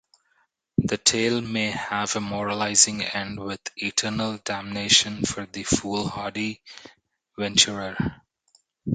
The tale may have a moralizing end, with eternal damnation for the foolhardy venturer.